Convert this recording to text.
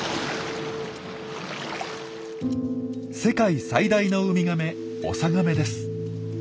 世界最大のウミガメオサガメです。